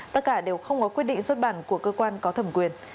tất cả đều không có quyết định xuất bản của cơ quan có thẩm quyền